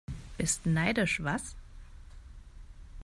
Bist neidisch, was?